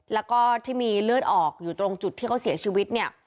แล้วก็ที่มีเลือดออกอยู่ตรงจุดที่เขาเสียชีวิตเนี่ย